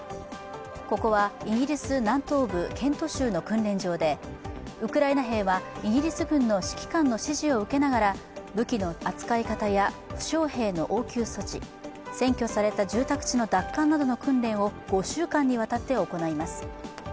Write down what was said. ここはイギリス南東部ケント州の訓練場でウクライナ兵はイギリス軍の指揮官の指示を受けながら武器の扱い方や負傷兵の応急措置、占拠された住宅地の奪還などの訓練を５週間にわたって行います。